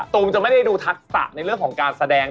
ตูมจะไม่ได้ดูทักษะในเรื่องของการแสดง